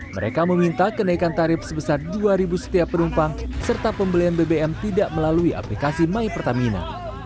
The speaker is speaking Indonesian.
mereka meminta kenaikan tarif sebesar rp dua setiap penumpang serta pembelian bbm tidak melalui aplikasi my pertamina